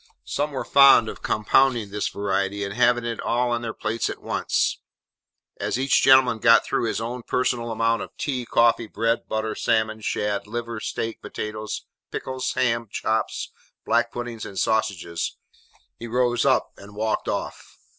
Some were fond of compounding this variety, and having it all on their plates at once. As each gentleman got through his own personal amount of tea, coffee, bread, butter, salmon, shad, liver, steak, potatoes, pickles, ham, chops, black puddings, and sausages, he rose up and walked off.